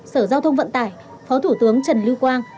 sở giao thông vận tải phó thủ tướng trần lưu quang